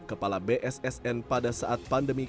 kepala bssn pada saat pandemi